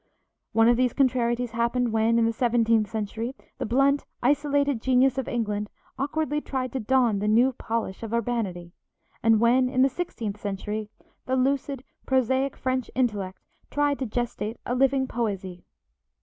One of these contrarieties happened when, in the seventeenth century, the blunt, isolated genius of England awkwardly tried to don the new polish of urbanity, and when, in the sixteenth century, the lucid, prosaic French intellect tried to gestate a living poesy.